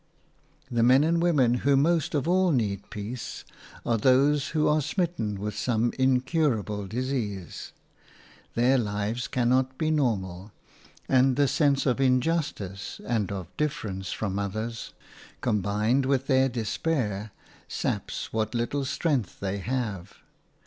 The men and women who most of all need peace are those who are smitten with some incurable disease. Their lives cannot be normal, and the sense of injustice and of difference from others, combined with their despair, saps what little strength they have.